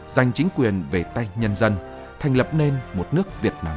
giành chính quyền về tay nhân dân thành lập nên một nước việt nam